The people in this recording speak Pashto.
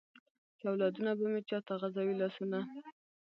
چې اولادونه به مې چاته غزوي لاسونه ؟